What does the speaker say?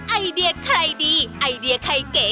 ไอเดียใครดีไอเดียใครเก๋